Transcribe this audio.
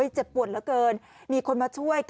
เจ็บปวดเหลือเกินมีคนมาช่วย